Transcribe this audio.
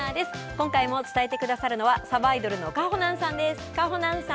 今回も伝えてくださるのは、さばいどるのかほなんさんです。